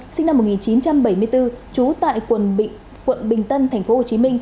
sinh năm một nghìn chín trăm bảy mươi bốn trú tại quận bình tân tp hcm